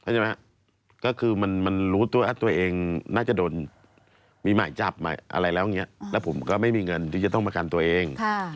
ใช่ไหมก็คือมันรู้ตัวว่าตัวเองน่าจะโดนมีหมายจับอะไรแล้วอย่างนี้แล้วผมก็ไม่มีเงินที่จะต้องประกันตัวเอง